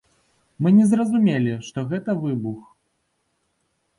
Мы не зразумелі, што гэта выбух.